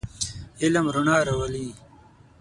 علم رڼا راولئ.